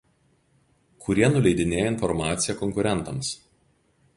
kurie nuleidinėja informaciją konkurentams